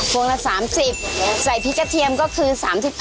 วงละ๓๐ใส่พริกกระเทียมก็คือ๓๙